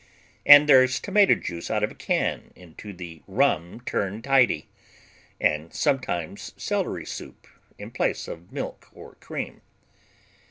And there's tomato juice out of a can into the Rum Turn Tiddy, and sometimes celery soup in place of milk or cream.